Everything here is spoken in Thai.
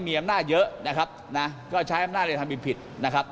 มีอำนาจเยอะนะครับนะก็ใช้อำนาจในทางบินผิดนะครับ